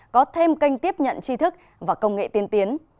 có thêm kênh tiếp nhận chi thức và công nghệ tiên tiến